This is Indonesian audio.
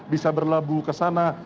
bisa berlabuh kesana